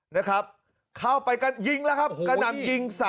นะครับเข้าไปกันยิงแล้วครับกระหน่ำยิง